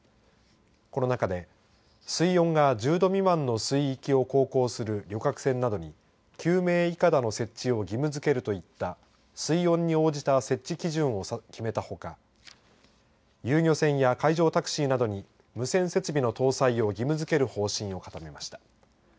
この中で水温が１０度未満の水域を航行する旅客船などに救命いかだの設置を義務づけるといった水温に応じた設置基準を決めたほか遊漁船や海上タクシーなどに無線設備の搭載を義務づける方針を固めました。